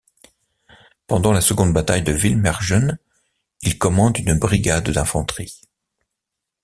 Pendant la seconde bataille de Villmergen, il commande une brigade d'infanterie.